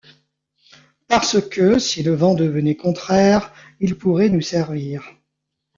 Parce que, si le vent devenait contraire, ils pourraient nous servir.